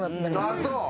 ああそう！